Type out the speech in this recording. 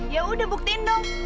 yaudah buktiin dong